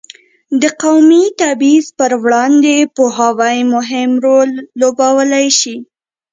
د قومي تبعیض پر وړاندې پوهاوی مهم رول لوبولی شي.